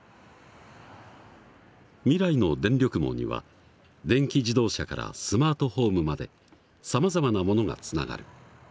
未来の電力網には電気自動車からスマートホームまでさまざまなものがつながる。